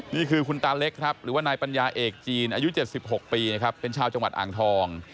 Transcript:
นี่คือคุณตาเล็กครับหรือว่านายปัญญาเอกจีนอายุ๗๖ปีนะครับเป็นชาวจังหวัดอ่างทอง